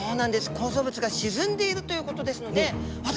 構造物が沈んでいるということですので私